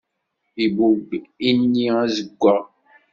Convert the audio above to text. Ibubb ini azeggaɣ.